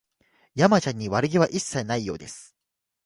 山ちゃんに悪気は一切ないようです